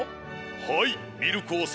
はいミルク王さま。